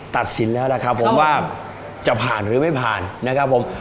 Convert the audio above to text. ตัดสินแล้วล่ะครับผมว่าจะผ่านหรือไม่ผ่านนะครับผม